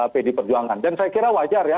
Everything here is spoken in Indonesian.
pdi perjuangan dan saya kira wajar ya